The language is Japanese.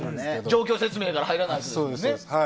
状況説明から入らないといけませんもんね。